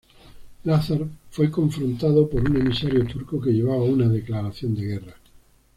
Lazar fue confrontado por un emisario turco que llevaba una declaración de guerra.